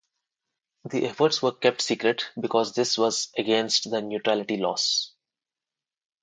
The efforts were kept secret, because this was against the neutrality laws.